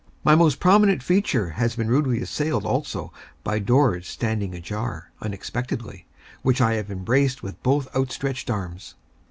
My most prominent feature has been rudely assailed, also, by doors standing ajar, unexpectedly, which I have embraced with both outstretched arms.